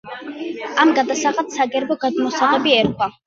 ამ გადასახადს საგერბო გამოსაღები ერქვა.